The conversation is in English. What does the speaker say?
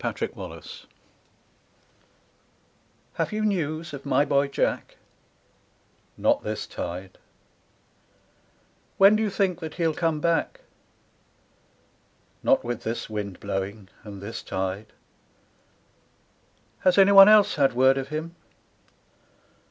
50 MY BOY JACK 'Have you news of my boy Jack?' Not this tide, 'When d*you think that he'll come back?' Not with this wind blowing, and this tide, 'Has any one else had word of him